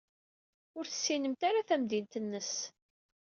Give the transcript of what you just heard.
Ur tessinemt ara tamdint-nnes.